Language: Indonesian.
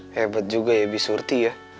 hebat juga ya bi surti ya